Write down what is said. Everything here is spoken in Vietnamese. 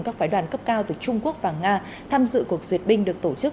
các phái đoàn cấp cao từ trung quốc và nga tham dự cuộc duyệt binh được tổ chức